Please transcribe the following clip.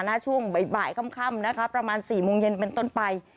ช่วงบ่ายค่ำนะคะประมาณ๔โมงเย็นเป็นต้นไป